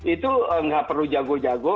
itu nggak perlu jago jago